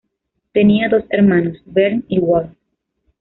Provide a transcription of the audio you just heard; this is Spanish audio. Tenía dos hermanos, Bernd y Wolf.